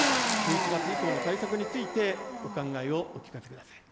１１月以降の対策についてお考えをお聞かせください。